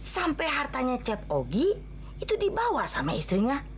sampai hartanya cep ogi itu dibawa sama istrinya